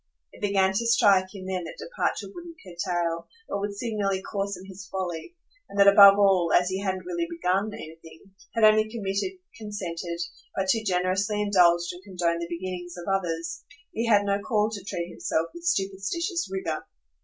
It began to strike him then that departure wouldn't curtail, but would signally coarsen his folly, and that above all, as he hadn't really "begun" anything, had only submitted, consented, but too generously indulged and condoned the beginnings of others, he had no call to treat himself with superstitious rigour.